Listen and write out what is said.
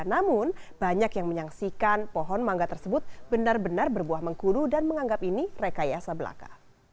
namun banyak yang menyaksikan pohon mangga tersebut benar benar berbuah mengkuru dan menganggap ini rekayasa belaka